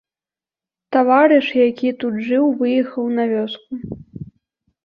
Таварыш, які тут жыў, выехаў на вёску.